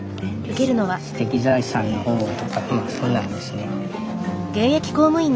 知的財産の保護とかそんなんですね。